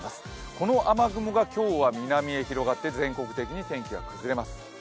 この雨雲が今日は南へ広がって全国的に天気が崩れます。